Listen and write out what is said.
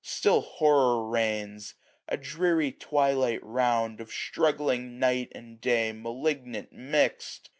785 Still Horror reigns ! a dreary twilight round. Of struggling night and day malignant mix'd